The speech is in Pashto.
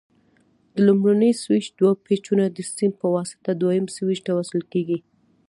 د لومړني سویچ دوه پېچونه د سیم په واسطه دویم سویچ ته وصل کړئ.